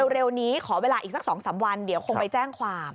เร็วนี้ขอเวลาอีกสัก๒๓วันเดี๋ยวคงไปแจ้งความ